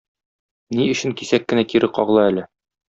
Ни өчен кисәк кенә кире кагыла әле?